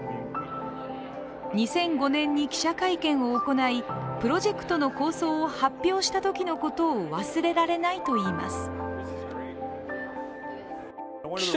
２００５年に記者会見を行いプロジェクトの構想を発表したときのことを忘れられないといいます。